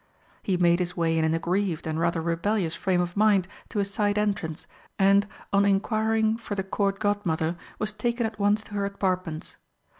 He made his way in an aggrieved and rather rebellious frame of mind to a side entrance and, on inquiring for the Court Godmother, was taken at once to her apartments.